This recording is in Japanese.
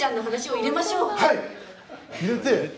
入れて。